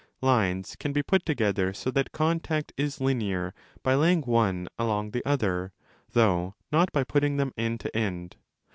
Lines can be put together so that contact is linear by laying one along the other, though not by putting them end to end.?